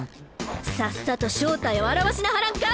さっさと正体を現しなはらんか！